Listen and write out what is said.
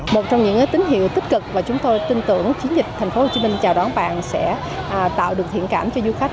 một trong những tín hiệu tích cực và chúng tôi tin tưởng chiến dịch tp hcm chào đón bạn sẽ tạo được thiện cảm cho du khách